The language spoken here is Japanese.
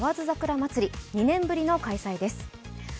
桜まつり２年ぶりの開催です。